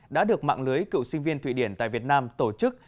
đã được mạng lưới cựu sinh viên thụy điển tại việt nam tổ chức